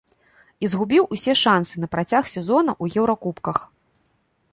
І згубіў усе шансы на працяг сезона ў еўракубках.